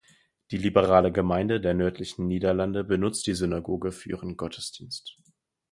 Die liberale Gemeinde der nördlichen Niederlande benutzt die Synagoge für ihren Gottesdienst.